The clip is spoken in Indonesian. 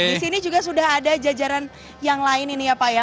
di sini juga sudah ada jajaran yang lain ini ya pak ya